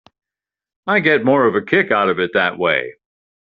I get more of a kick out of it that way.